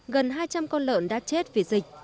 gần hai trăm linh con lợn đã chết vì dịch